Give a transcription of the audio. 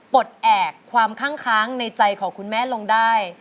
ปลดแอบความข้างในใจของคุณแม่ลงได้